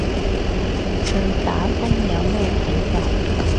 對打風有咩睇法